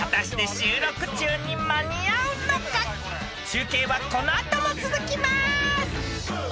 ［中継はこの後も続きます］